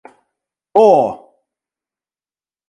Fore!